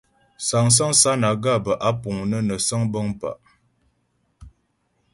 Sáŋsaŋ sánaga bə́ á puŋ nə́ nə səŋ bəŋ pa'.